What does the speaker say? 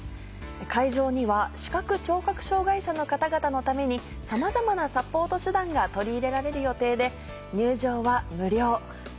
会場には視覚・聴覚障がい者の方々のためにさまざまなサポート手段が取り入れられる予定で。